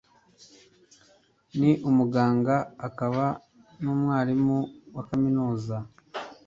Ni umuganga akaba n'umwarimu wa kaminuza.